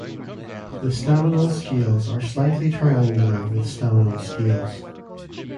The staminal scales are slightly triangular with staminal scales.